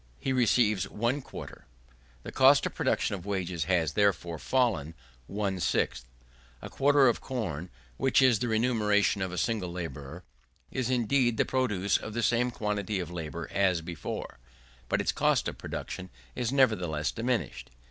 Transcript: He receives one quarter. The cost of production of wages has, therefore, fallen one sixth. A quarter of corn, which is the remuneration of a single labourer, is indeed the produce of the same quantity of labour as before; but its cost of production is nevertheless diminished.